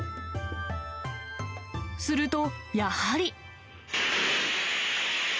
すると、やはり。